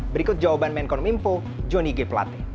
berikut jawaban menkon mimpo jonny g pelate